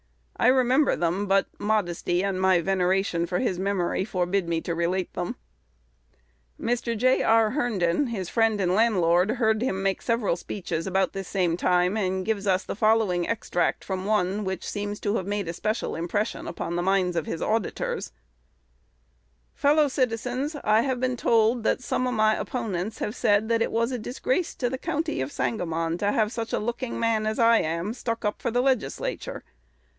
I remember them; but modesty and my veneration for his memory forbid me to relate them." Mr. J. R. Herndon, his friend and landlord, heard him make several speeches about this time, and gives us the following extract from one, which seems to have made a special impression upon the minds of his auditors: "Fellow citizens, I have been told that some of my opponents have said that it was a disgrace to the county of Sangamon to have such a looking man as I am stuck up for the Legislature.